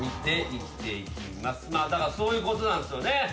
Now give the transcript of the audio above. だからそういうことなんですよね。